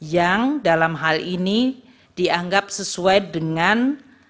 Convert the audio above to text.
yang dalam hal ini dianggap sesuai dengan